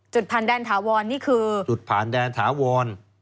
จุดผ่านแดนถาวรนี่คือจุดผ่านแดนถาวร